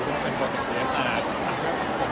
ซึ่งเป็นโปรเจรสาราจักรของผม